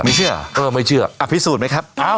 ไม่เชื่อเออไม่เชื่ออพิสูจน์ไหมครับ